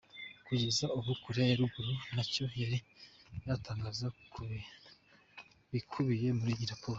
Kugeza ubu, Koreya ya Ruguru ntacyo yari yatangaza ku bikubiye muri iyi raporo.